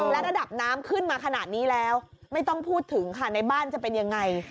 และระดับน้ำขึ้นมาขนาดนี้แล้วไม่ต้องพูดถึงค่ะในบ้านจะเป็นยังไง